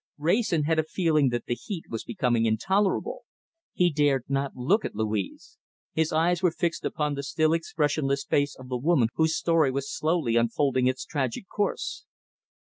Wrayson had a feeling that the heat was becoming intolerable. He dared not look at Louise. His eyes were fixed upon the still expressionless face of the woman whose story was slowly unfolding its tragic course.